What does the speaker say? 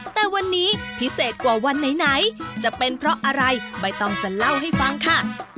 แต่วันนี้พิเศษกว่าวันไหนจะเป็นเพราะอะไรใบตองจะเล่าให้ฟังค่ะ